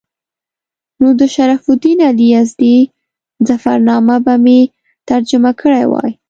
نو د شرف الدین علي یزدي ظفرنامه به مې ترجمه کړې وای.